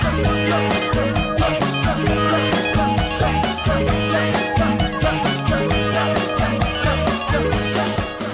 ครับ